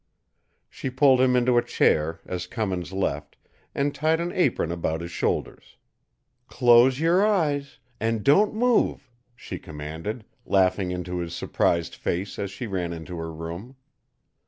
She pulled him into a chair as Cummins left, and tied an apron about his shoulders. "Close your eyes and don't move!" she commanded, laughing into his surprised face as she ran into her room.